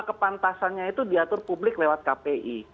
kepantasannya itu diatur publik lewat kpi